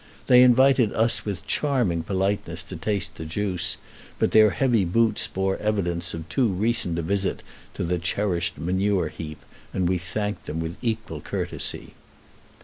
They invited us with charming politeness to taste the juice, but their heavy boots bore evidence of too recent a visit to the cherished manure heap, and we thanked them with equal courtesy.